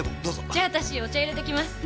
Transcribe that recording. じゃ私お茶入れてきます。